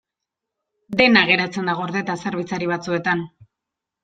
Dena geratzen da gordeta zerbitzari batzuetan.